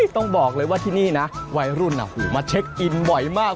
ต้องบอกเลยว่าที่นี่นะวัยรุ่นมาเช็คอินบ่อยมาก